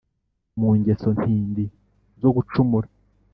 mu ngeso ntindi zo gucumura.